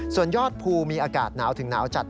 ส่วนยอดภูมีอากาศหนาวถึงหนาวจัด